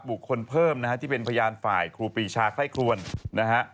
เพิ่มนะฮะที่เป็นพยานฝ่ายครูปีชาไคร่ครวนนะฮะ